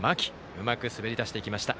うまく滑り出してきました。